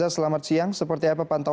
selamat siang rian